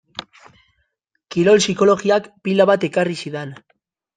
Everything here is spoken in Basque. Kirol psikologiak pila bat ekarri zidan.